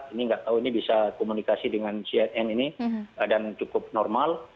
ini nggak tahu ini bisa komunikasi dengan cnn ini dan cukup normal